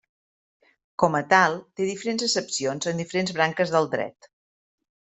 Com a tal, té diferents accepcions en diferents branques del Dret.